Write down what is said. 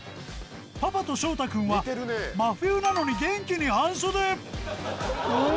パパと翔太くんは真冬なのに元気に半袖！